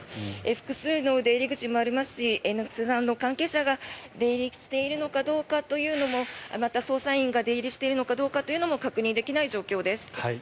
複数の出入り口もありますし猿之助さんの関係者が出入りしているのかどうかというのもまた捜査員が出入りしているのかどうかというのも確認できない状況です。